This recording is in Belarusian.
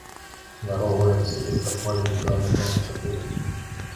Дарогу я абсадзіў таполямі кіламетраў на чатыры.